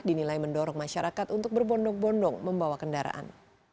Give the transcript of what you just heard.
dinilai mendorong masyarakat untuk berbondong bondong membawa kendaraan